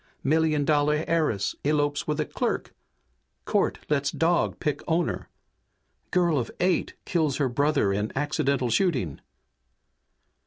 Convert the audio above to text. Million dollar heiress elopes with a clerk! Court lets dog pick owner! Girl of eight kills her brother in accidental shooting!"